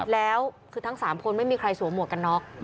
แล้วคือทั้ง๓คนไม่มีใครสวมหมวกกันน็อก